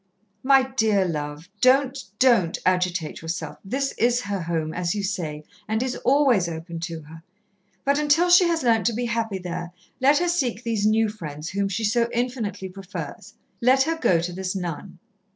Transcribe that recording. "My dear love, don't don't agitate yourself. This is her home, as you say, and is always open to her. But until she has learnt to be happy there, let her seek these new friends, whom she so infinitely prefers. Let her go to this nun."